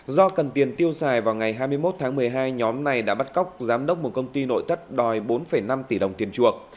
do cần tiền tiêu xài vào ngày hai mươi một tháng một mươi hai nhóm này đã bắt cóc giám đốc một công ty nội tất đòi bốn năm tỷ đồng tiền chuộc